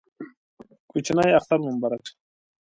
کوچینۍ اختر مو مبارک شه